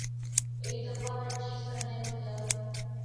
ایک دفعہ ہر چیز کرنے کو تیار ہوں